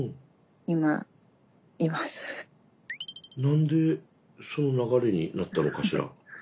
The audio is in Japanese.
何でその流れになったのかしら。